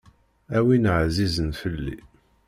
A win ɛzizen fell-i.